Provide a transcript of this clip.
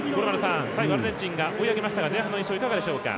最後、アルゼンチンが追い上げましたが前半の印象、いかがでしょうか？